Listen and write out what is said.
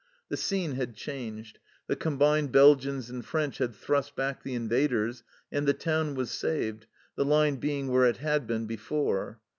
The scene had changed ; the combined Belgians and French had thrust back the invaders, and the town was saved, the line being where it had been before.